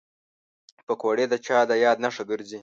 پکورې د چا د یاد نښه ګرځي